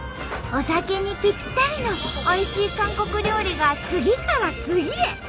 お酒にぴったりのおいしい韓国料理が次から次へ。